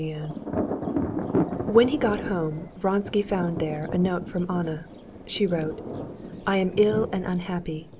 Chapter 2 When he got home, Vronsky found there a note from Anna. She wrote, "I am ill and unhappy.